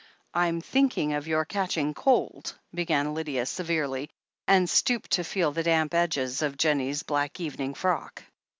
"I'm thinking of your catching cold," began Lydia severely, and stooped to feel the damp edges of Jennie's black evening frock.